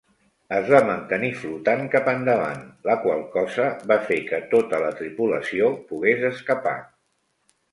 Es va mantenir flotant cap endavant, la qual cosa va fer que tota la tripulació pogués escapar.